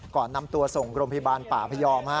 ก่อนนำตัวส่งโรงพยาบาลป่าพยอม